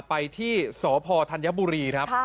ไปที่สธัญบุรี